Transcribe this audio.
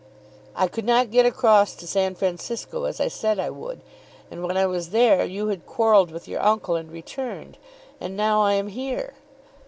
"I could not get across to San Francisco as I said I would, and when I was there you had quarrelled with your uncle and returned. And now I am here.